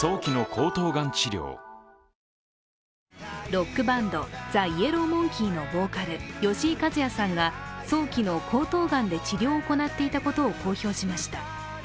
ロックバンド、ＴＨＥＹＥＬＬＯＷＭＯＮＫＥＹのボーカル吉井和哉さんが早期の喉頭がんで治療を行っていたことを公表しました。